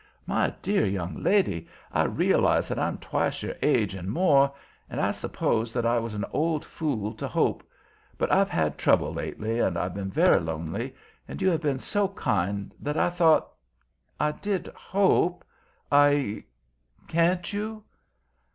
"My dear young lady, I realize that I'm twice your age and more, and I suppose that I was an old fool to hope; but I've had trouble lately, and I've been very lonely, and you have been so kind that I thought I did hope I Can't you?"